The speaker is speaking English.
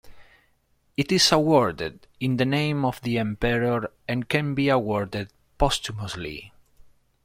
It is awarded in the name of the Emperor and can be awarded posthumously.